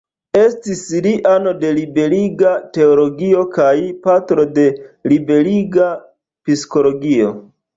Estis li ano de Liberiga Teologio kaj patro de Liberiga Psikologio.